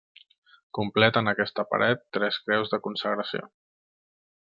Completen aquesta paret tres creus de consagració.